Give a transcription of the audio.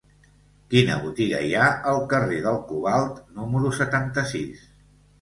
Quina botiga hi ha al carrer del Cobalt número setanta-sis?